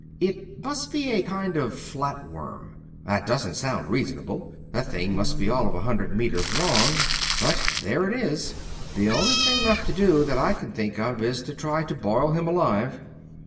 "It must be a kind of flat worm. That doesn't sound reasonable the thing must be all of a hundred meters long but there it is. The only thing left to do that I can think of is to try to boil him alive."